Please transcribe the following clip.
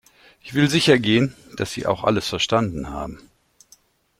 Ich will sicher gehen, dass Sie auch alles verstanden haben.